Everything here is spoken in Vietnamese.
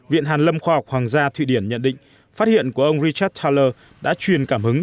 viện hàn lâm khoa học hoàng gia thụy điển nhận định phát hiện của ông richard tauler đã truyền cảm hứng